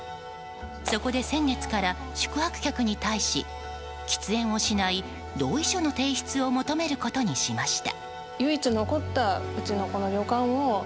そこで先月から、宿泊客に対し喫煙をしない同意書の提出を求めることにしました。